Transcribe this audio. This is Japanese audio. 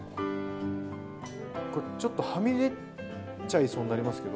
ちょっとはみ出ちゃいそうになりますけど。